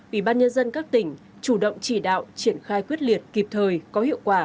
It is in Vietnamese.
ủy ban nhân dân các tỉnh chủ động chỉ đạo triển khai quyết liệt kịp thời có hiệu quả